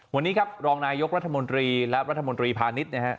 วันนี้รองนายกรัฐมนตรีและรัฐมนตรีพาณิชย์